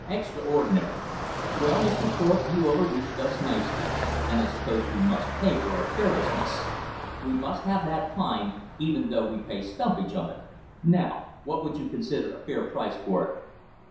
"Extraordinary! Well, Mr. Thorpe, you overreached us nicely; and I suppose we must pay for our carelessness. We must have that pine, even though we pay stumpage on it. Now what would you consider a fair price for it?"